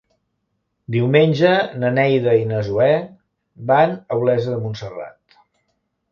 Diumenge na Neida i na Zoè van a Olesa de Montserrat.